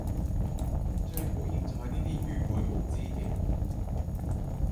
最討厭就係呢啲愚昧無知嘅人